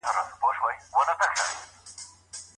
د هيواد سياسي ثبات اغيزه پر ملي اقتصاد او بازار باندې څه ده؟